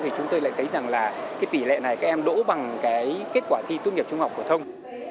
thì chúng tôi lại thấy rằng là cái tỷ lệ này các em đỗ bằng cái kết quả thi tốt nghiệp trung học phổ thông